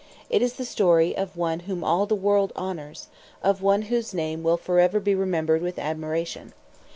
It is the story of one whom all the world honors of one whose name will forever be remembered with admiration.